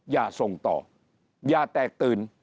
อย่าส่งต่ออย่าแตกตื่น